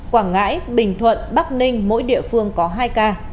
quảng ngãi bình thuận bắc ninh mỗi địa phương có hai ca